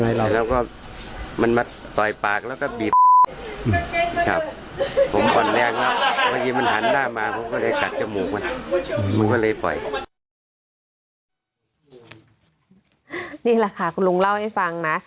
นี่แหละค่ะคุณลุงเล่าให้ฟังนะ